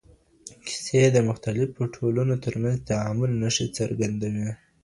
کیسې د مختلفو ټولنو ترمنځ د تعامل نښې څرګندوي؟